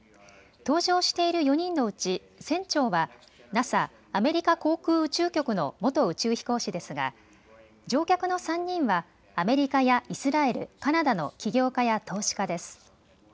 搭乗している４人のうち船長はＮＡＳＡ・アメリカ航空宇宙局の元宇宙飛行士ですが乗客の３人はアメリカやイスラエル、カナダの起業家や投資家です。